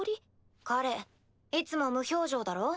彼いつも無表情だろ？